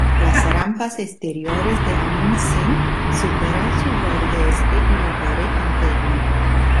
Las rampas exteriores de Amundsen superan su borde este y la pared interna.